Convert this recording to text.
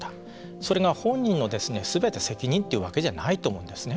それが本人のすべて責任というわけじゃないと思うんですね。